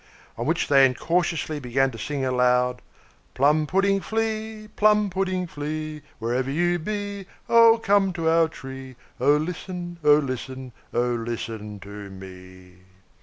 On which they incautiously began to sing aloud, "Plum pudding Flea, Plum pudding Flea, Wherever you be, Oh! come to our tree, And listen, oh! listen, oh! listen to me!"